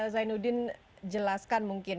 zainuddin jelaskan mungkin